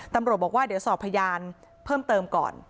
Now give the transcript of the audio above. ตำรวจบอกว่าเดี๋ยวสอบพยานเพิ่มเติมก่อน